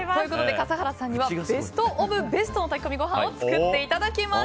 笠原さんにはベスト・オブ・ベストの炊き込みご飯を作っていただきます。